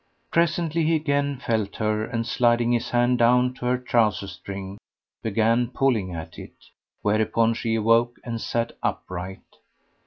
Presently, he again felt her and sliding his hand down to her trouser string, began pulling at it, whereupon she awoke and sat upright.